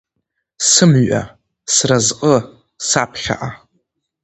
Сымҩа, сразҟы, саԥхьаҟа…